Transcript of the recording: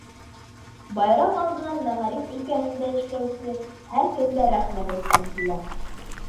Байрам алдынан мәғариф өлкәһендә эшләүсе һәр кемгә рәхмәт әйткем килә.